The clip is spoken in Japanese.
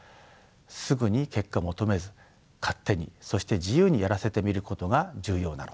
すぐに結果を求めず勝手にそして自由にやらせてみることが重要なのです。